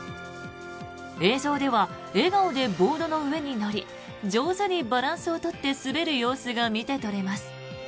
映像では笑顔でボードの上に乗り上手にバランスを取って滑る様子が見て取れます。